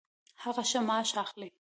هغه ښه معاش اخلي